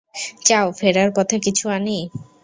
চাও ফেরার পথে কিছু আনি?